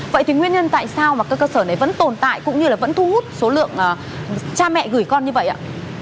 vậy thì nguyên nhân tại sao mà các cơ sở này vẫn tồn tại cũng như là vẫn thu hút số lượng cha mẹ gửi con như vậy ạ